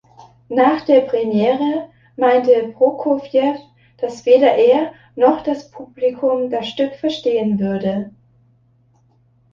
Nach der Premiere meinte Prokofiev, dass weder er noch das Publikum das Stück verstehen würde.